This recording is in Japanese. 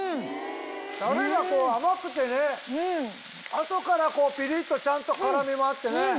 タレが甘くてね後からピリっとちゃんと辛みもあってね。